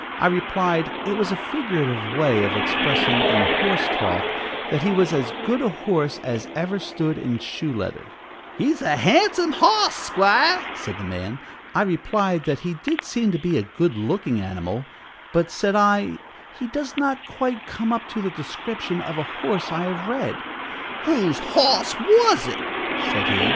I replied, it was a figurative way of expressing, in horse talk, that he was as good a horse as ever stood in shoe leather. "He's a handsome hos, 'squire," said the man. I replied that he did seem to be a good looking animal; but, said I, "he does not quite come up to the description of a horse I have read." "Whose hos was it?" said he.